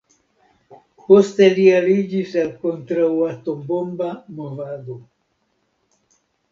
Poste li aliĝis al kontraŭ-atombomba movado.